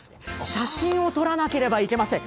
写真を撮らなければいけません。